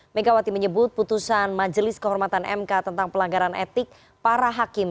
megawati menyebut putusan majelis kehormatan mk tentang pelanggaran etik para hakim